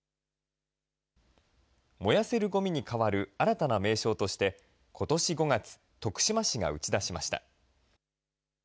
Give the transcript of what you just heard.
燃やせるごみに代わる新たな名称として、ことし５月、徳島市が打ち出しました。